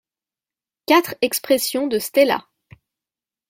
quatre Expression de Stella.